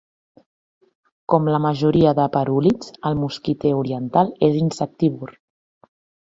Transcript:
Com la majoria de parúlids, el mosquiter oriental es insectívor.